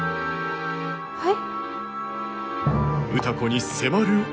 はい？